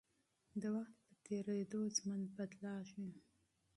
د وخت په تېرېدو ژوند بدلېږي.